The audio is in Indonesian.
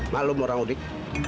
malum orang udik